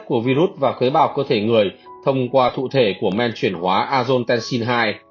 tổn thương vi mô vùng hải mã của virus và khế bào cơ thể người thông qua thụ thể của men chuyển hóa azotensin hai